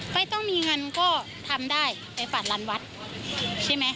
ไม่ต้องมีเงินก็ทำได้ในฝาดรรวัตน์ใช่ไหม